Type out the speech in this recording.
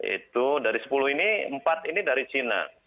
itu dari sepuluh ini empat ini dari cina